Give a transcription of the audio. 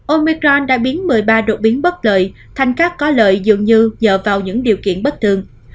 omicron đã biến một mươi ba đột biến bất lợi thành các có lợi dường như dở vào những điều kiện bất thường